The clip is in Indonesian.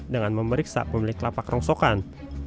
dengan memeriksa pemilik lapak rongsokan